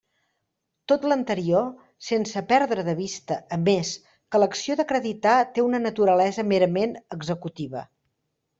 Tot l'anterior, sense perdre de vista, a més, que l'acció d'acreditar té una naturalesa merament executiva.